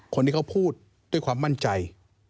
คนที่เขาพูดด้วยความมั่นใจ